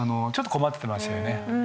ちょっと困ってますよね。